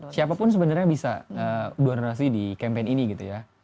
siapapun sebenarnya bisa donasi di campaign ini gitu ya